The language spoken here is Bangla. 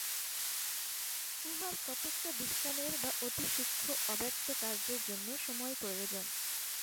উহার কতকটা বিশ্রামের বা অতি সূক্ষ্ম অব্যক্ত কার্যের জন্য সময় প্রয়োজন।